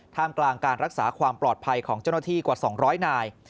มกลางการรักษาความปลอดภัยของเจ้าหน้าที่กว่า๒๐๐นาย